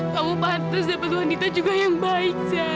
kamu pantes dapet wanita juga yang baik za